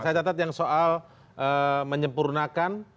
saya catat yang soal menyempurnakan